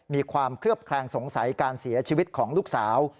มีความเคลือบแคลงสงสัยการเสียชีวิตของลูกสาว